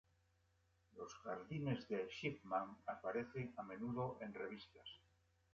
Los jardines de Shipman aparecen a menudo en revistas.